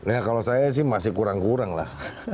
ya kalau saya sih masih kurang kurang lah